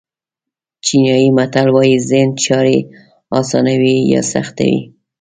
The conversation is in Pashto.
چینایي متل وایي ذهن چارې آسانوي یا سختوي.